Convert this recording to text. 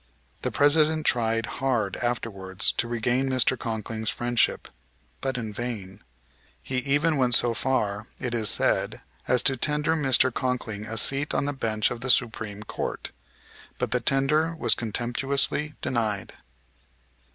The President tried hard afterwards to regain Mr. Conkling's friendship, but in vain. He even went so far, it is said, as to tender Mr. Conkling a seat on the bench of the Supreme Court; but the tender was contemptuously declined.